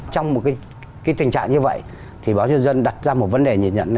trong một cái tình trạng như vậy thì báo nhân dân đặt ra một vấn đề nhìn nhận